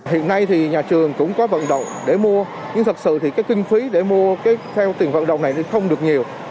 hiện nay thì nhà trường cũng có vận động để mua nhưng thật sự thì cái kinh phí để mua cái tiền vận động này thì không được nhiều